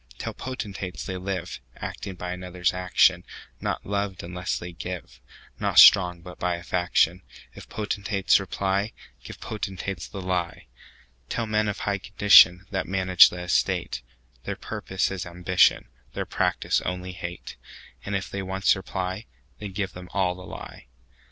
Tell potentates, they liveActing by others' action; Not loved unless they give, Not strong, but by a faction:If potentates reply, Give potentates the lie. Tell men of high condition, That manage the estate, Their purpose is ambition, Their practice only hate:And if they once reply, Then give them all the lie.